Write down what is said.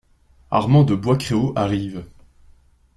Armand de Bois-Créault arrive.